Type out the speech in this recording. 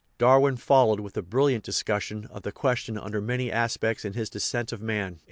Darwin followed with a brill iant discussion of the question under many aspects in his Descent of Man (1871).